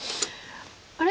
あれ？